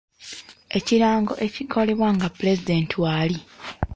Ekirango ekikolebwa nga puezidenti waali.